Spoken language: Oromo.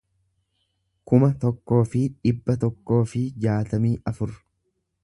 kuma tokkoo fi dhibba tokkoo fi jaatamii afur